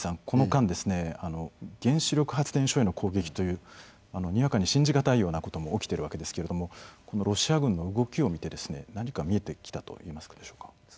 この間、原子力発電所への攻撃というにわかに信じがたいことも起きているわけですけれどもロシア軍の動きを見て何か見えてきたことはありますでしょうか。